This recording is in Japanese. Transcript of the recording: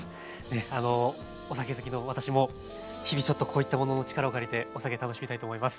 あのお酒好きの私も日々ちょっとこういったものの力を借りてお酒楽しみたいと思います。